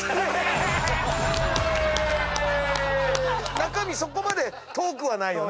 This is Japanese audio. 中身そこまで遠くはないよね。